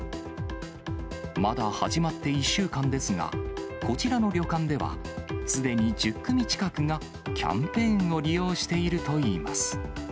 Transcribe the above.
まだ始まって１週間ですが、こちらの旅館ではすでに１０組近くが、キャンペーンを利用しているといいます。